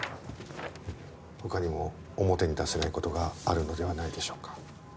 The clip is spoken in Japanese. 他にも表に出せない事があるのではないでしょうか？